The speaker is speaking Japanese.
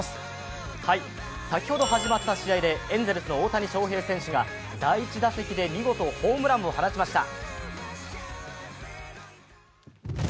先ほど始まった試合でエンゼルスの大谷翔平選手が第１打席で見事ホームランを放ちました。